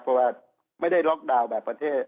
เพราะว่าไม่ได้ล็อกดาวน์แบบประเทศ